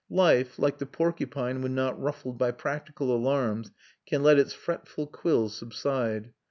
Life, like the porcupine when not ruffled by practical alarms, can let its fretful quills subside.